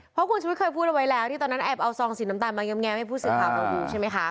เพราะคุณชุวิตเคยพูดเอาไว้แล้วที่ตอนนั้นแอบเอาซองสีน้ำตาลมาแง้มให้ผู้สื่อข่าวเราดูใช่ไหมคะ